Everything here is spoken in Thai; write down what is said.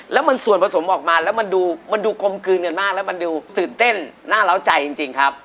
แล้วมันส่วนผสมออกมาแล้วมันดูมันดูกลมกลืนกันมากแล้วมันดูตื่นเต้นน่าเล้าใจจริงครับ